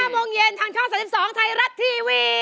โมงเย็นทางช่อง๓๒ไทยรัฐทีวี